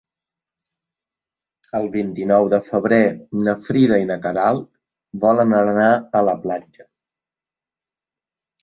El vint-i-nou de febrer na Frida i na Queralt volen anar a la platja.